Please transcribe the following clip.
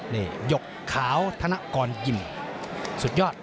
นี่หยกขาวธนกรยิมสุดยอด